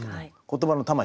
言葉の魂。